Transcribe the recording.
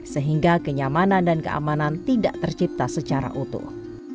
sehingga kenyamanan dan keamanan tidak tercipta secara utuh